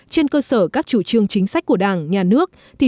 trên cơ sở các chủ trương chính sách của đảng nhà nước